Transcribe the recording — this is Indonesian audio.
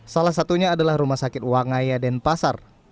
salah satunya adalah rumah sakit wangaya denpasar